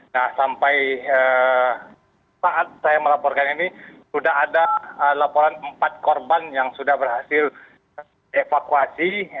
nah sampai saat saya melaporkan ini sudah ada laporan empat korban yang sudah berhasil evakuasi